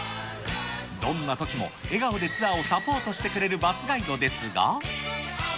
どんなときも笑顔でツアーをサポートしてくれるバスガイドですが。